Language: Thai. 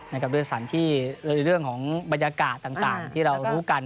ในเรื่องสถานที่เรื่องของบรรยากาศต่างที่เรารู้กัน